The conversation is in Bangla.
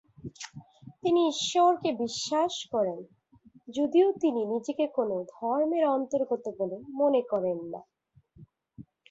তিনি ঈশ্বরকে বিশ্বাস করেন, যদিও তিনি নিজেকে কোনো ধর্মের অন্তর্গত বলে মনে করেন না।